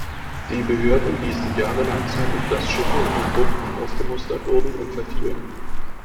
Die Behörden ließen jahrelang zu, dass Schiffe in den Buchten ausgemustert wurden und verfielen.